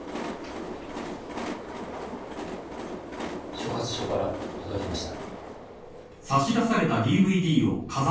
所轄署から届きました。